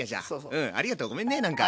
うんありがとうごめんねなんか。